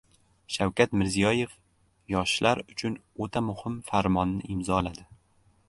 Shavkat Mirziyoyev yoshlar uchun o‘ta muhim farmonni imzoladi